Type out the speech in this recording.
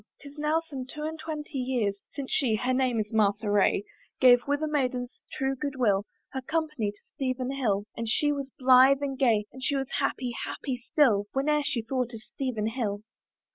Tis now some two and twenty years, Since she (her name is Martha Ray) Gave with a maiden's true good will Her company to Stephen Hill; And she was blithe and gay, And she was happy, happy still Whene'er she thought of Stephen Hill.